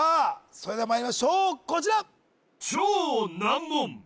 それではまいりましょうこちら